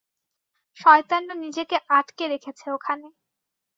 শয়তানটা নিজেকে আটকে রেখেছে ওখানে!